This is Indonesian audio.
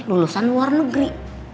lulusan luar negeri